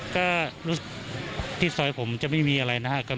ก็รู้สึกที่ซอยผมจะไม่มีอะไรนะครับ